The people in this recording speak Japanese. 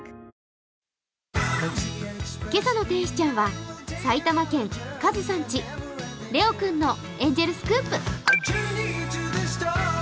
今朝の天使ちゃんは埼玉県かずさん家、レオ君のエンジェルスクープ。